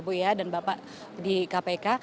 bu ya dan bapak di kpk